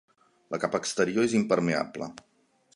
La capa exterior és impermeable.